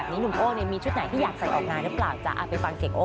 ก็ไม่ได้